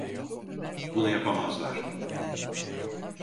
Bunu yapamazlar.